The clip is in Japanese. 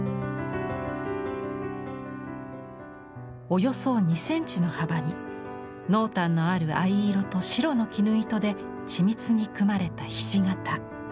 およそ２センチの幅に濃淡のある藍色と白の絹糸で緻密に組まれたひし形。